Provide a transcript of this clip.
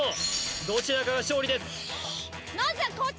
どちらかが勝利ですこっち！